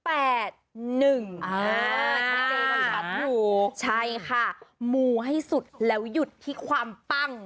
อ่าใช่ค่ะมูให้สุดแล้วหยุดที่ความปัง